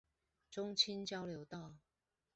中清交流道